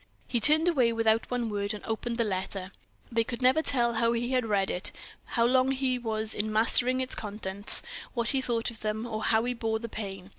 He turned away, without one word, and opened the letter. They could never tell how he had read it, how long he was in mastering its contents, what he thought of them, or how he bore the pain.